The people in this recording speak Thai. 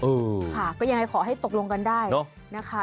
เออค่ะก็ยังไงขอให้ตกลงกันได้นะคะ